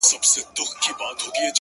نور دي دسترگو په كتاب كي،